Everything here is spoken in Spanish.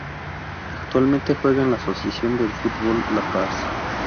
Actualmente juega en la Asociación de Fútbol La Paz.